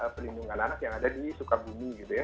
perlindungan anak yang ada di sukabumi gitu ya